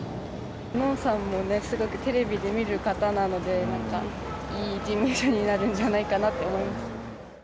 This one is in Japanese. のんさんもね、すごくテレビで見る方なので、なんかいい事務所になるんじゃないかなって思います。